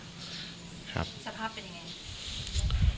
สภาพเป็นอย่างไร